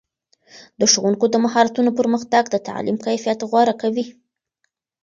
د ښوونکو د مهارتونو پرمختګ د تعلیم کیفیت غوره کوي.